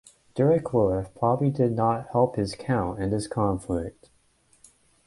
Dirk Loef probably did not help his count in this conflict.